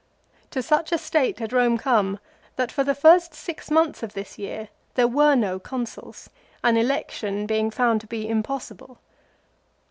To such a state had Eome come that for the first six months of this year there were no Consuls, an election being found to be impossible.